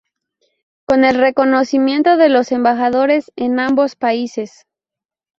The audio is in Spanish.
Con el reconocimiento de los embajadores en ambos países.